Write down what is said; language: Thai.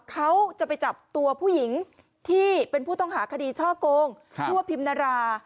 เขาจะไปจับตัวผู้หญิงที่เป็นผู้ต้องหาคดีช่อโกงทั่วพิมนารา